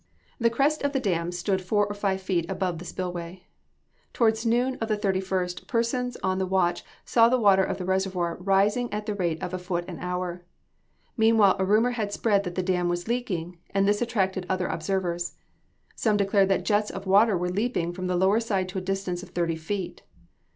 The crest of the dam stood four or five feet above the spill way. Towards noon of the 31st, persons on the watch saw the water of the reservoir rising at the rate of a foot an hour. Meanwhile a rumor had spread that the dam was leaking, and this attracted other observers. Some declared that jets of water were leaping from the lower side to a distance of thirty feet.